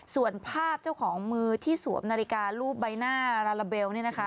ส่วนภาพเจ้าของมือที่สวมนาฬิการูปใบหน้าลาลาเบล